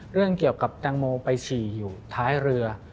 เรื่องเกี่ยวกับแตงโมไปฉี่อยู่ท้ายเรือ